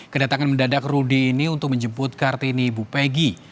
kedatangan mendadak rudy ini untuk menjemput kartini ibu pegi